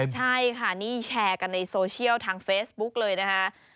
ใช่ค่ะนี่แชร์กันในโซเชียลทางเฟซบุ๊กเลยนะคะ